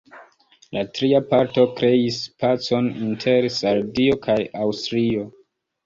La tria parto kreis pacon inter Sardio kaj Aŭstrio.